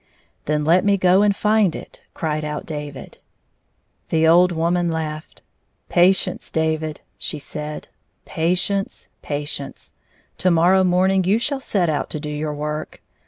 " Then let me go and find it," cried out David. The old woman laughed. " Patience, David," she said, " patience, patience. To morrow morn ing you shall set out to do your work.